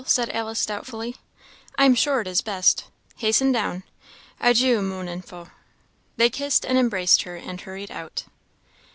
said Alice, doubtfully. "I am sure it is best. Hasten down. Adieu, mon enfant." They kissed and embraced her, and hurried out.